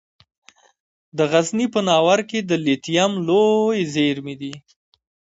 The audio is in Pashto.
د غزني په ناوور کې د لیتیم لویې زیرمې دي.